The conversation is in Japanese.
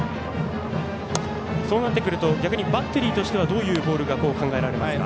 そうなってくると逆にバッテリーとしたらどういうボールが考えられますか？